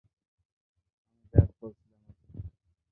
আমি ব্যস বলছিলাম আরকি।